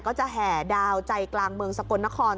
จะแห่ดาวใจกลางเมืองสกลนคร